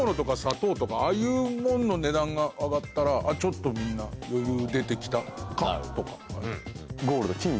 ああいうモノの値段が上がったらちょっとみんな余裕出て来たか？とか。